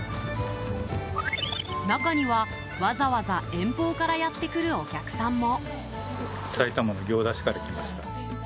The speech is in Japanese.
中には、わざわざ遠方からやってくるお客さんも。